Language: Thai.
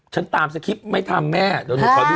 ฉันตามสคริปไม่ทำแม่เดี๋ยวหนูขอยุ่งไว้ก่อน